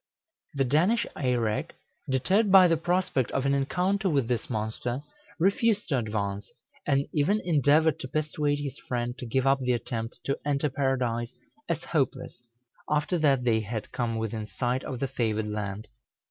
The Danish Eirek, deterred by the prospect of an encounter with this monster, refused to advance, and even endeavored to persuade his friend to give up the attempt to enter Paradise as hopeless, after that they had come within sight of the favored land.